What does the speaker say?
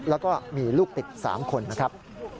แล้วก็มีลูกติด๓คนนะครับ